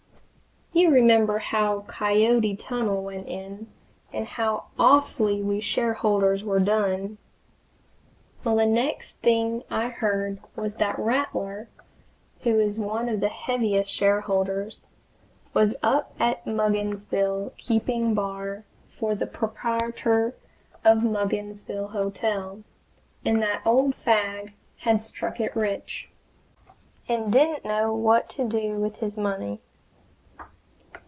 You remember how the Coyote Tunnel went in, and how awfully we shareholders were done! Well, the next thing I heard was that Rattler, who was one of the heaviest shareholders, was up at Mugginsville keeping bar for the proprietor of the Mugginsville Hotel, and that old Fagg had struck it rich, and didn't know what to do with his money.